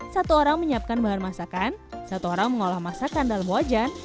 satu orang menyiapkan bahan masakan satu orang mengolah masakan dalam wajan